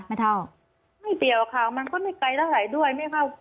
ไม่เดี่ยวค่ะมันก็ไม่ไกลเราใช้ด้วยไหมค่ะ